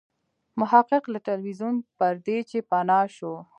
محقق له ټلویزیون پردې چې پناه شو.